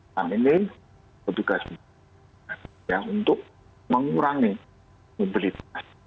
kami ini petugas untuk mengurangi mobilitas